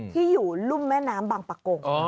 ที่อยู่รุ่มแม่น้ำบางปะกง